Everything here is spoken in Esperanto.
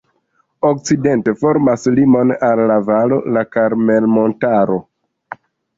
Okcidente formas limon al la valo la Karmel-montaro.